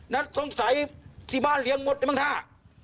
นั้นสงสัยที่บ้านเลี้ยงมดได้บ้างค่ะ